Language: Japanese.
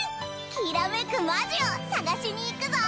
きらめくマジを探しにいくぞ！